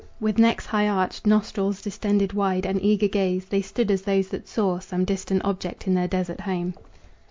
With necks high arched, nostrils distended wide, And eager gaze, they stood as those that saw Some distant object in their desert home.